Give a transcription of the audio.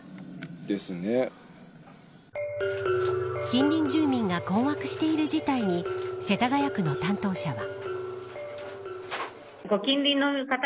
近隣住民が困惑している事態に世田谷区の担当者は。